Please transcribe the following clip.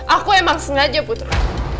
aku emang sengaja putra